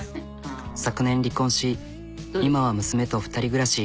昨年離婚し今は娘と２人暮らし。